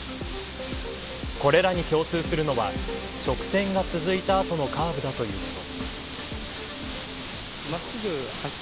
これらに共通するのは直線が続いた後のカーブだということ。